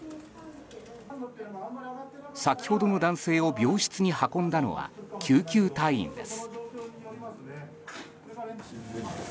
先ほどの男性を病室に運んだのは救急隊員です。